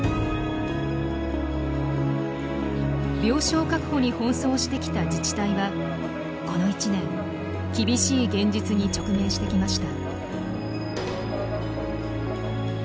病床確保に奔走してきた自治体はこの１年厳しい現実に直面してきました。